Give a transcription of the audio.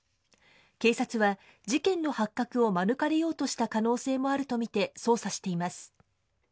警察は、事件の発覚を免れようとした可能性もあると見て、捜査しています。